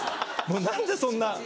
もう何でそんな。